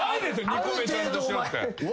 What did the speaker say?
２個目ちゃんとしろって。